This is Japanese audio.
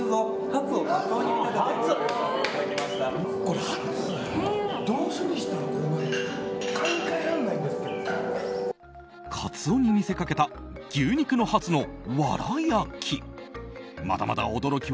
カツオに見せかけた牛肉のハツのわら焼き。